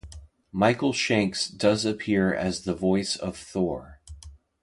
Michael Shanks does appear as the voice of Thor.